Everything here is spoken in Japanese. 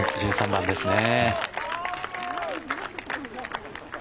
１３番ですね。